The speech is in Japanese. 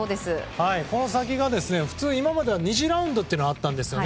この先が普通今までは２次ラウンドというのがあったんですよね。